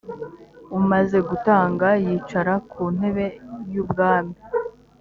umaze gutanga yicara ku ntebe y ubwami.